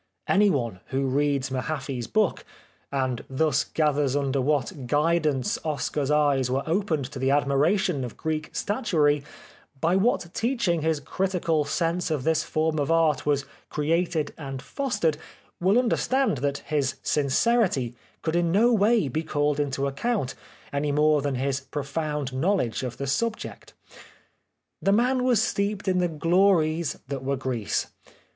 Anyone who reads Mahaffy's book, and thus gathers under what guidance Oscar's eyes were opened to the admiration of Greek statuary, by what teaching his critical sense of this form of Art was created and fostered, will understand that his sincerity could in no way be called into account any more than his profound knowledge of the subject. The man was steeped in the glories that were Greece.